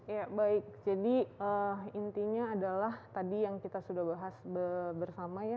ya baik jadi intinya adalah tadi yang kita sudah bahas bersama ya